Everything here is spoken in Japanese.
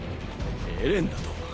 エレンだと？